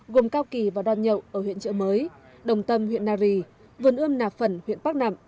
gồm cao kỳ và đoàn nhậu ở huyện trợ mới đồng tâm huyện nari vườn ươm nạp phẩn huyện bắc nẵm